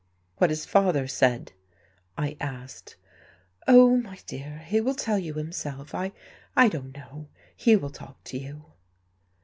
"What has father said?" I asked. "Oh, my dear, he will tell you himself. I I don't know he will talk to you."